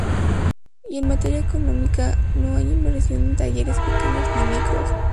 Y en materia económica no hay inversión en talleres pequeños ni micros.